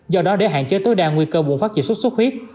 do đó để hạn chế tối đa nguy cơ bùng phát dịch xuất xuất huyết